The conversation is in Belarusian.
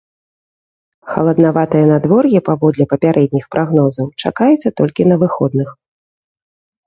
Халаднаватае надвор'е, паводле папярэдніх прагнозаў, чакаецца толькі на выходных.